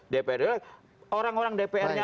dpr adalah orang orang dprnya